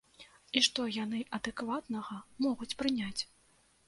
І што яны адэкватнага могуць прыняць?